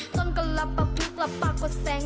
ต้นกระลับปะปลุ๊กลับปากกว่าแสง